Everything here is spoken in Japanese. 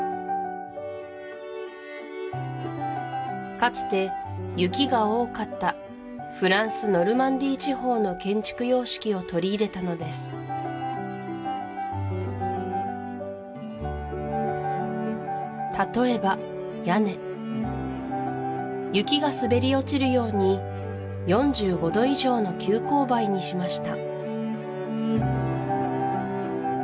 かつて雪が多かったフランスノルマンディー地方の建築様式を取り入れたのです例えば屋根雪が滑り落ちるように４５度以上の急勾配にしました